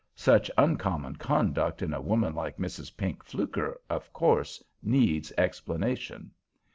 Such uncommon conduct in a woman like Mrs. Pink Fluker of course needs explanation.